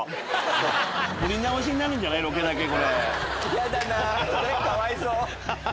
嫌だなかわいそう！